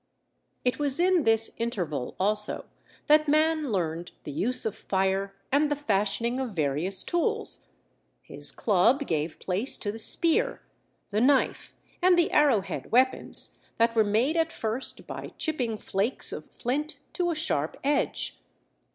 It was in this interval, also, that man learned the use of fire and the fashioning of various tools. His club gave place to the spear, the knife, and the arrow head weapons that were made at first by chipping flakes of flint to a sharp edge.